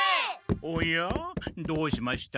おやどうしました？